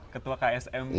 ketua ksm desa perlis